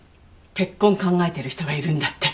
結婚を考えてる人がいるんだって。